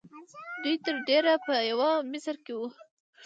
دوی تر ډېره په یوه مسیر کې وو